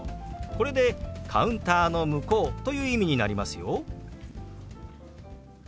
これでカウンターの向こうという意味になりますよ。